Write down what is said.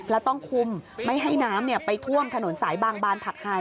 แล้วต้องคุมไม่ให้น้ำไปท่วมถนนสายบางบานผักไฮ